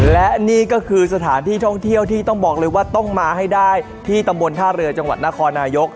และนี่ก็คือสถานที่ท่องเที่ยวที่ต้องบอกเลยว่าต้องมาให้ได้ที่ตำบลท่าเรือจังหวัดนครนายก